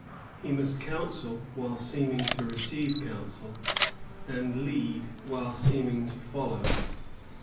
He must counsel while seeming to receive counsel, and lead while seeming to follow.